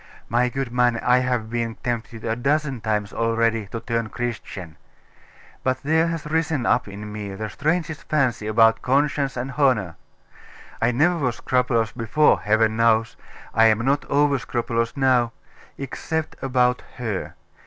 My good man, I have been tempted a dozen times already to turn Christian: but there has risen up in me the strangest fancy about conscience and honour.... I never was scrupulous before, Heaven knows I am not over scrupulous now except about her.